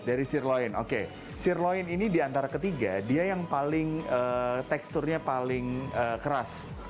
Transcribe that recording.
dari sirloin oke sirloin ini di antara ketiga dia yang paling teksturnya paling keras